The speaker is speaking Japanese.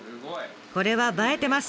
これは映えてます。